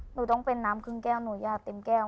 หนูต้องเป็นน้ำครึ่งแก้วหนูย่าเต็มแก้ว